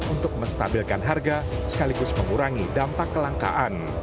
untuk menstabilkan harga sekaligus mengurangi dampak kelangkaan